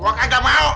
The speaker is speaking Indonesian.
gue kagak mau